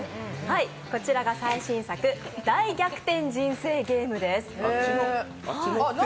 こちらが最新作、「大逆転人生ゲーム」です。